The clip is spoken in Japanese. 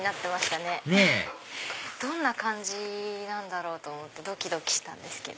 ねぇどんな感じなんだろうと思ってドキドキしたんですけど。